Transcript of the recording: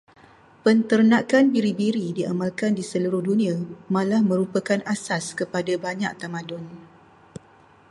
Penternakan biri-biri diamalkan di seluruh dunia, malah merupakan asas kepada banyak tamadun.